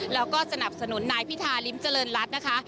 แล้วก็สนับสนุนนายพิธาริมเจริญรัฐนะคะ